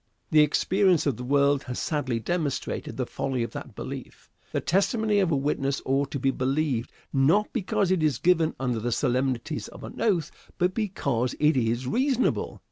The experience of the world has sadly demonstrated the folly of that belief. The testimony of a witness ought to be believed, not because it is given under the solemnities of an oath, but because it is reasonable.